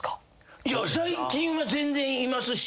いや最近は全然いますし。